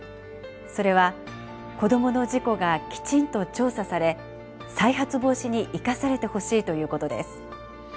それは子どもの事故がきちんと調査され再発防止に生かされてほしいということです。